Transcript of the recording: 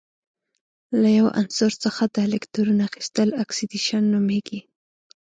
له یو عنصر څخه د الکترون اخیستل اکسیدیشن نومیږي.